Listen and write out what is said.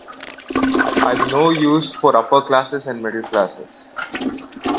I've no use for upper classes and middle classes.